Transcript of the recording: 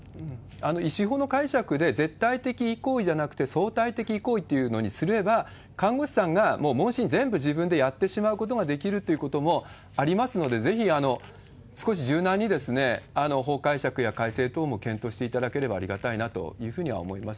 医師法の解釈で、絶対的行為じゃなくて、相対的行為というのにすれば、看護師さんが問診、全部自分でやってしまうことができるということもありますので、ぜひ少し柔軟に法解釈や改正等も検討していただければありがたいなというふうには思います。